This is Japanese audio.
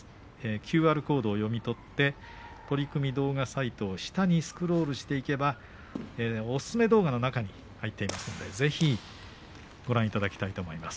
ＱＲコードを読み取って取組動画サイトを下にスクロールしていけばおすすめ動画の中に入っていますのでぜひご覧いただきたいと思います。